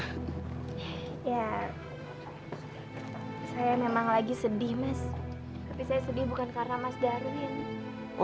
tapi saya sedih bukan karena mas darwin